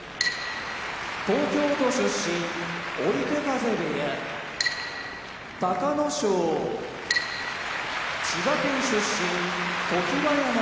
東京都出身追手風部屋隆の勝千葉県出身常盤山部屋